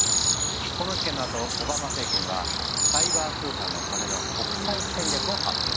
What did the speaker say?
この事件のあとオバマ政権は「サイバー空間のための国際戦略」を発表。